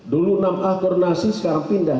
dulu enam a koordinasi sekarang pindah